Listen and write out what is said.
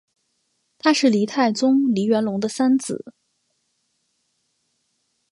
他是黎太宗黎元龙的三子。